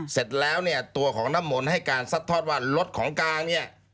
เสร็จแล้วเนี่ยตัวของน้ำมนต์ให้การซัดทอดว่ารถของกลางเนี่ย